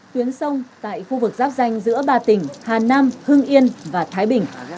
tuyến sông tại khu vực giáp danh giữa ba tỉnh hà nam hưng yên và thái bình